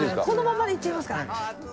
このままでいっちゃいますか？